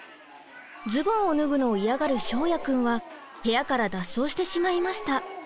ズボンを脱ぐのを嫌がる翔也くんは部屋から脱走してしまいました。